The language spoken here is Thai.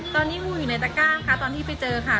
ตอนนี้งูอยู่ในตะก้างค่ะตอนที่ไปเจอค่ะ